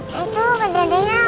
nah itu kejadiannya